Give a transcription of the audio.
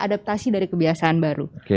adaptasi dari kebiasaan baru